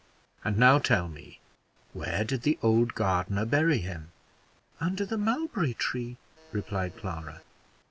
And now tell me, where did the old gardener bury him?" "Under the mulberry tree," replied Clara.